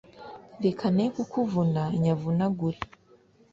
Reka nekukuvuna nyavunagure